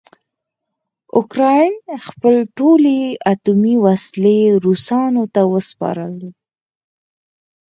اوکراین خپلې ټولې اټومي وسلې روسانو ته وسپارلې.